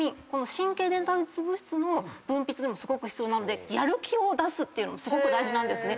神経伝達物質の分泌でもすごく必要なのでやる気を出すっていうのすごく大事なんですね。